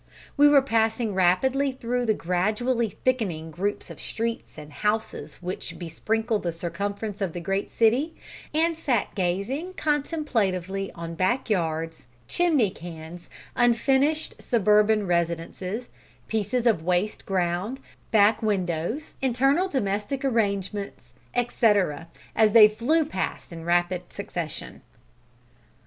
We were passing rapidly through the gradually thickening groups of streets and houses which besprinkle the circumference of the great city, and sat gazing contemplatively on back yards, chimney cans, unfinished suburban residences, pieces of waste ground, back windows, internal domestic arrangements, etcetera, as they flew past in rapid succession.